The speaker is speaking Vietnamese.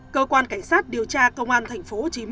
cơ quan cảnh sát điều tra công an tp hcm